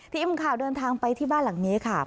ทีมข่าวเดินทางไปที่บ้านหลังนี้ค่ะ